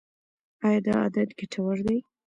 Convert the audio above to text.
ایا دا عادت ګټور دی؟